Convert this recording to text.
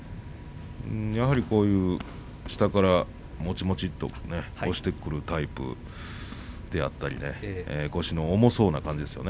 やはり下から押してくるタイプであったり腰も重そうな相手ですね。